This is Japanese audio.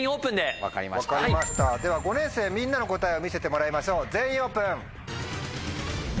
分かりましたでは５年生みんなの答えを見せてもらいましょう全員オープン！